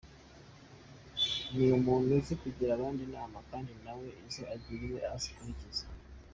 Ni umuntu uzi kugira abandi inama kandi nawe izo agiriwe akazikurikiza.